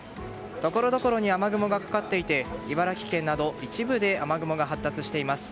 ところどころに雨雲がかかっていて茨城県など、一部で雨雲が発達しています。